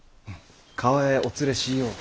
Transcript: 厠へお連れしようと。